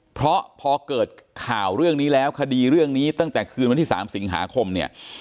เพราะพอเกิดข่าวเรื่องนี้แล้วคดีเรื่องนี้ตั้งแต่คืนวันที่๓สิงหาคมเนี่ย